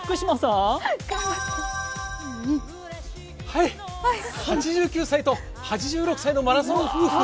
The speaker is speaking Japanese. はい８９歳と８６歳のマラソン夫婦。